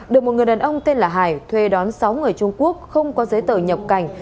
được một người đàn ông tên là hải thuê đón sáu người trung quốc không có giấy tờ nhập cảnh